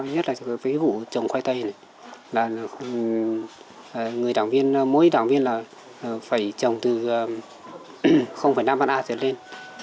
nhất là với vụ trồng khoai tây mỗi đảng viên là phải trồng từ năm ban a trở lên